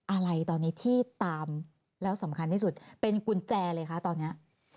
อะไรตอนนี้ที่ตามแล้วสำคัญที่สุดเป็นกุญแจเลยคะตอนนี้